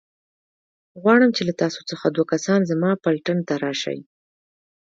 غواړم چې له تاسو څخه دوه کسان زما پلټن ته راشئ.